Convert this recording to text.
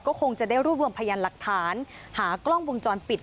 ก็คงจะได้รวบรวมพยานหลักฐานหากล้องวงจรปิด